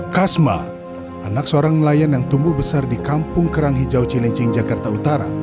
kasma anak seorang nelayan yang tumbuh besar di kampung kerang hijau cilincing jakarta utara